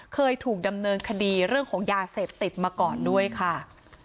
เคยถูกดำเนินคดีเรื่องของยาเสพติดมาก่อนด้วยค่ะ